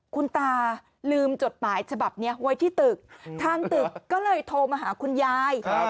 คุณตาลืมจดหมายฉบับนี้ไว้ที่ตึกทางตึกก็เลยโทรมาหาคุณยาย